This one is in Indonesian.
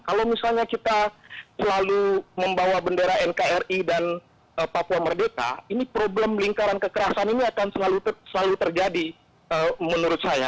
kalau misalnya kita selalu membawa bendera nkri dan papua merdeka ini problem lingkaran kekerasan ini akan selalu terjadi menurut saya